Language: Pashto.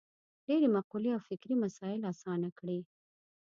ډېرې مقولې او فکري مسایل اسانه کړي.